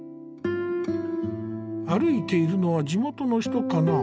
歩いているのは地元の人かな。